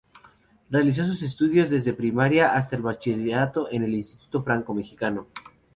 Realizó sus estudios desde primaria hasta el bachillerato en el Instituto Franco Mexicano.